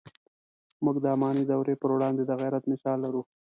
موږ د اماني دورې پر وړاندې د غیرت مثال لرو.